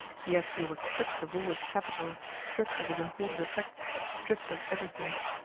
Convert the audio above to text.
Yet he issued stripped of all his capital, stripped of his imported effects, stripped of everything.